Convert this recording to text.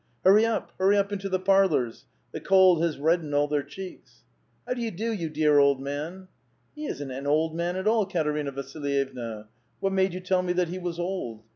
Hurry up ! hurry up into the parlors 1 The cold has reddened all their cheeks. " How do you do, you dear old man? "*'* He isn't an old man at all, Eaterina Vasilyevna. What made you tell me that he was old?